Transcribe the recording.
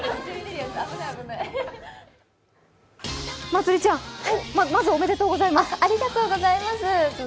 まつりちゃん、まずおめでとうございます。